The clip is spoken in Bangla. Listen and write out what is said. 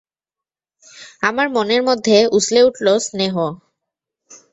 আমার মনের মধ্যে উছলে উঠল স্নেহ।